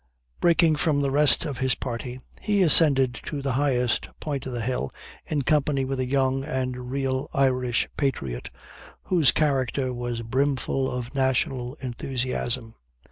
Breaking from the rest of his party, he ascended to the highest point of the hill, in company with a young and real Irish patriot, whose character was brimful of national enthusiasm.